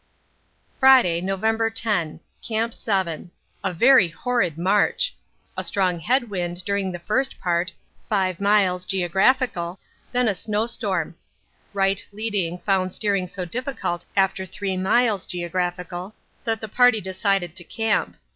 Friday, November 10. Camp 7. A very horrid march. A strong head wind during the first part 5 miles (geo.) then a snowstorm. Wright leading found steering so difficult after three miles (geo.) that the party decided to camp.